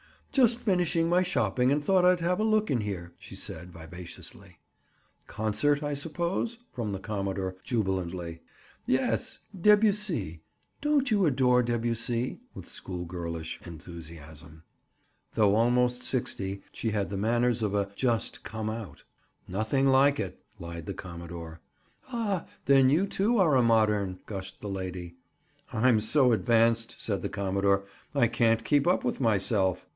"Just finished my shopping and thought I'd have a look in here," she said vivaciously. "Concert, I suppose?" from the commodore, jubilantly. "Yes. Dubussy. Don't you adore Dubussy?" with schoolgirlish enthusiasm. Though almost sixty, she had the manners of a "just come out." "Nothing like it," lied the commodore. "Ah, then you, too, are a modern?" gushed the lady. "I'm so advanced," said the commodore, "I can't keep up with myself."